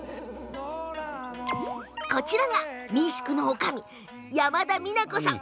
こちらが民宿のおかみ山田美奈子さん。